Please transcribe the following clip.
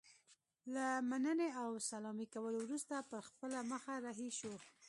له مننې او سلامي کولو وروسته پر خپله مخه رهي شو.